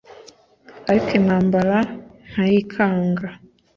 Ariko intambara nkayikanga